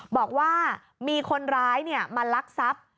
บอกว่ามีคนร้ายมาลักทรัพย์